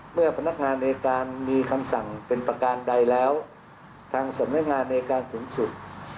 เมื่อพนักงานในการมีคำสั่งเป็นประการใดแล้วทางสำนักงานในการสูงสุด